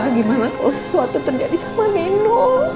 gimana kalau sesuatu terjadi sama nino